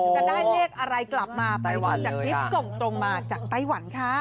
จะได้เลขอะไรกลับมากลิปตรงมาจากไต้หวันค่ะ